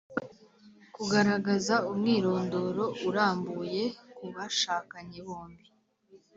kugaragaza umwirondoro urambuye kubashakanye bombi